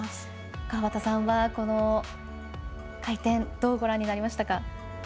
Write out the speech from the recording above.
川端さんは回転どうご覧になりましたか。